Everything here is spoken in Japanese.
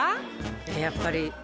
やっぱり。